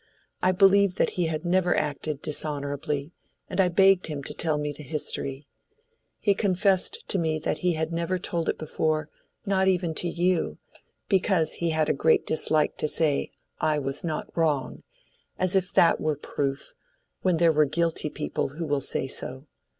I believed that he had never acted dishonorably, and I begged him to tell me the history. He confessed to me that he had never told it before, not even to you, because he had a great dislike to say, 'I was not wrong,' as if that were proof, when there are guilty people who will say so.